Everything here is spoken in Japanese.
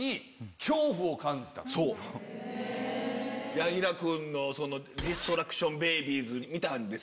柳楽君の『ディストラクション・ベイビーズ』見たんですよ。